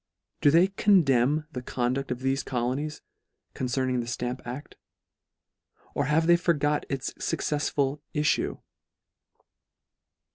Do they con demn the conduct of thefe colonies, concern ing the Stamp acl f Or have they forgot its fuccefsful iiTue